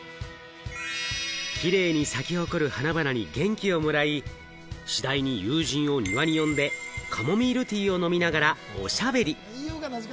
キレイに咲き誇る花々に元気をもらい、次第に友人を庭に呼んでカモミールティーを飲みながら、おしゃべり。